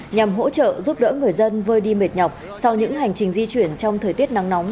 nhằm hỗ trợ giúp đỡ người dân vơi đi mệt nhọc sau những hành trình di chuyển trong thời tiết nắng nóng